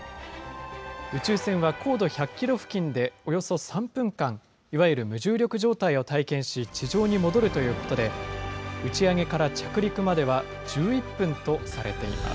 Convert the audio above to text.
宇宙船は高度１００キロ付近でおよそ３分間、いわゆる無重力状態を体験し、地上に戻るということで、打ち上げから着陸までは１１分とされています。